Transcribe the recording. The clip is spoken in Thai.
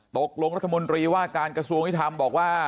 ตกลงรัฐมนธรรมดีว่าการกระทรวงให้ทำบอกว่า